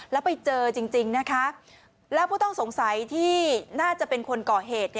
แล้วไปเจอจริงนะคะแล้วผู้ต้องสงสัยที่น่าจะเป็นคนก่อเหตุ